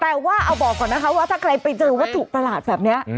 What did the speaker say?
แต่ว่าเอาบอกก่อนนะคะว่าถ้าใครไปเจอวัตถุประหลาดแบบนี้